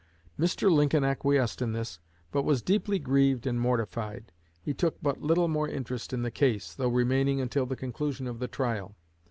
Mr. Lincoln acquiesced in this, but was deeply grieved and mortified; he took but little more interest in the case, though remaining until the conclusion of the trial.